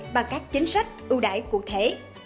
bằng các chính sách ưu đại cụ thể